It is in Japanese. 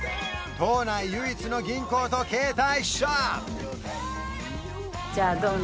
島内唯一の銀行と携帯ショップ